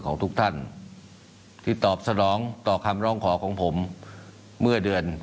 ของทุกท่านที่ตอบสนองต่อคำร้องขอของผมเมื่อเดือน